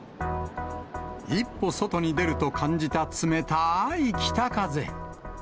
一歩外に出ると感じた冷たーい北風。